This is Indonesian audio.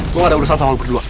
gue gak ada urusan sama berdua